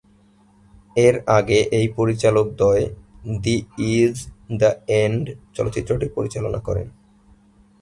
এর আগে এই পরিচালকদ্বয়, দিস ইজ দ্যা এন্ড চলচ্চিত্রটি পরিচালনা করে।